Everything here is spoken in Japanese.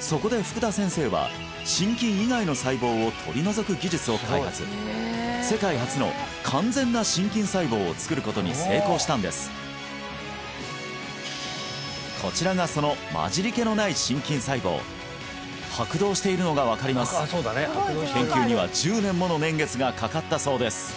そこで福田先生は心筋以外の細胞を取り除く技術を開発世界初の完全な心筋細胞を作ることに成功したんですこちらがその混じりけのない心筋細胞拍動しているのが分かります研究には１０年もの年月がかかったそうです